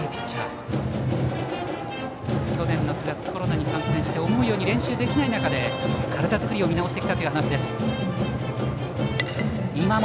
杉山は去年９月コロナに感染して思うように練習できない中で体作りを見直してきました。